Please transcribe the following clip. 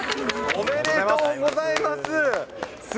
おめでとうございます。